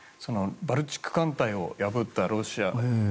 バルチク艦隊を破ったロシア。